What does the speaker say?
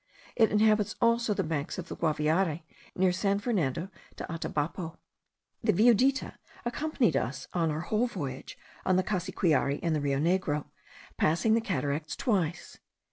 It inhabits also the banks of the Guaviare, near San Fernando de Atabapo. The viudita accompanied us on our whole voyage on the Cassiquiare and the Rio Negro, passing the cataracts twice.